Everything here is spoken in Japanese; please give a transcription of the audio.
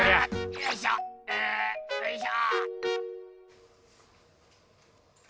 よいしょうんよいしょ。